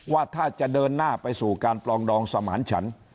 ว่าถ้าจะเดินหน้าไปสู่การปลองดองสมานฉัน